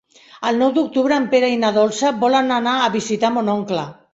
El nou d'octubre en Pere i na Dolça volen anar a visitar mon oncle.